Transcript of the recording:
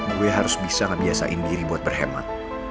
gue harus bisa ngebiasain diri buat berhemat